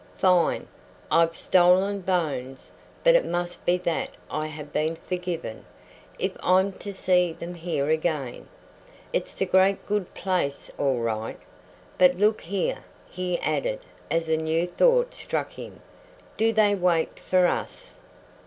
"Fine! I've stolen bones, but it must be that I have been forgiven, if I'm to see them here again. It's the great good place all right. But look here," he added as a new thought struck him, "do they wait for us?"